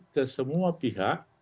ke semua pihak